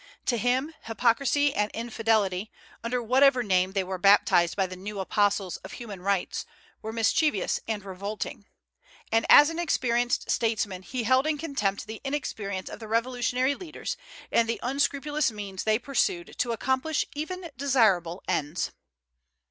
To him hypocrisy and infidelity, under whatever name they were baptized by the new apostles of human rights, were mischievous and revolting. And as an experienced statesman he held in contempt the inexperience of the Revolutionary leaders, and the unscrupulous means they pursued to accomplish even desirable ends.